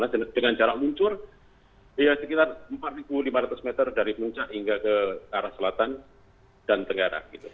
dengan jarak luncur sekitar empat lima ratus meter dari puncak hingga ke arah selatan dan tenggara